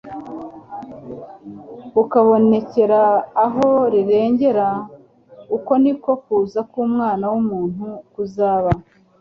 ukabonekera aho rirengera, uko niko kuza k'Umwana w'umuntu kuzaba."